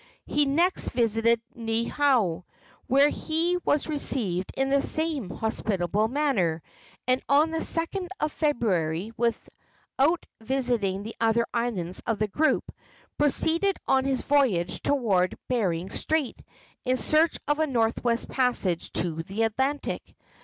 He next visited Niihau, where he was received in the same hospitable manner, and on the 2d of February, without visiting the other islands of the group, proceeded on his voyage toward Behring's Strait in search of a northwest passage to the Atlantic.